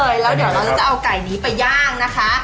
แต่นี้ครับแล้วเดี๋ยวเราจะเอาไก่นี้ไปย่างนะคะ